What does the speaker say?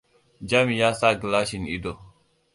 Jami ya sa gilashin ido.